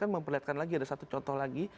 memperlihatkan lagi ada satu contoh lagi